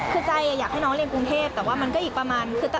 คือใจอยากให้น้องเรียนกรุงเทพแต่ว่ามันก็อีกประมาณ